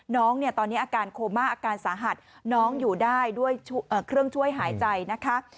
น้องเนี่ยตอนนี้อาการโคม่าอาการสาหัสน้องอยู่ได้ด้วยเครื่องช่วยหายใจนะคะ